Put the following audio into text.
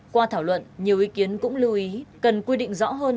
qua thảo luận nhiều ý kiến cũng lưu ý cần quy định rõ hơn